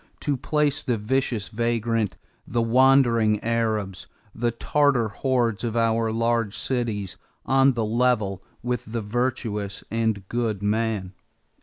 To place the vicious vagrant, the wandering Arabs, the Tartar hordes of our large cities on the level with the virtuous and good man?"